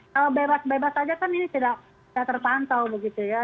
kalau bebas bebas saja kan ini tidak terpantau begitu ya